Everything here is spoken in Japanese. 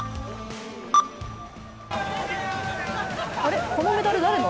あれ、このメダル誰の？